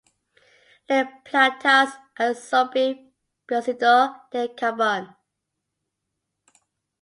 Le plantas absorbe bioxydo de carbon.